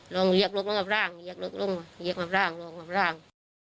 ร้องเหยียกลูกลงกับร่างเหยียกลูกลงเหยียกลงกับร่างร้องกับร่าง